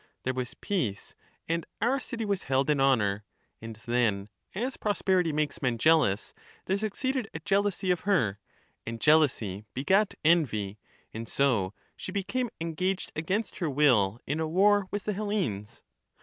There was peace, and our city was held in honour ; and then, as prosperity makes men jealous, there succeeded a jealousy of her, and jealousy begat envy, and so she became engaged against her will in a war with the Hellenes.